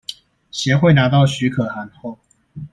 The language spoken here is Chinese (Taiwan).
協會拿到許可函後